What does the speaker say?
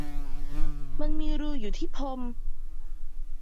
มันมีรูอยู่ที่พรม